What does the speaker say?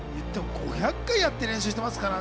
５００回やって練習してます